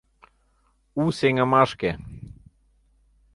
У сеҥымашке!